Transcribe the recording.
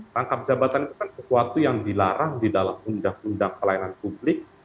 rangkap jabatan itu kan sesuatu yang dilarang di dalam undang undang pelayanan publik